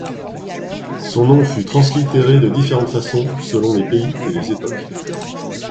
Son nom fut translittéré de différentes façons selon les pays et les époques.